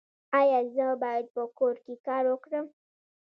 ایا زه باید په کور کې کار وکړم؟